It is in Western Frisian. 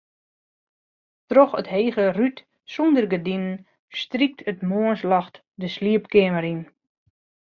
Troch it hege rút sûnder gerdinen strykt it moarnsljocht de sliepkeamer yn.